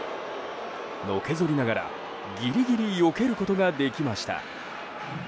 のけぞりながら、ギリギリよけることができました。